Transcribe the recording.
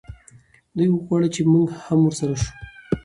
دی غواړي چې موږ هم ورسره شو.